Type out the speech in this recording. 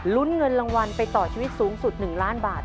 ลุ้นเงินรางวัลไปต่อชีวิตสูงสุด๑ล้านบาท